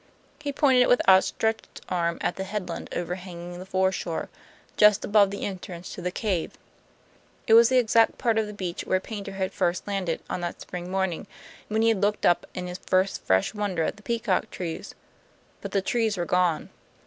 He pointed with outstretched arm at the headland overhanging the foreshore, just above the entrance to the cave. It was the exact part of the beach where Paynter had first landed, on that spring morning when he had looked up in his first fresh wonder at the peacock trees. But the trees were gone.